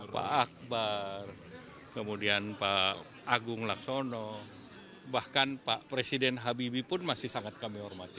pak akbar kemudian pak agung laksono bahkan pak presiden habibie pun masih sangat kami hormati